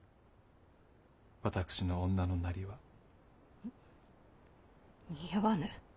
私の女のなりは。に似合わぬ。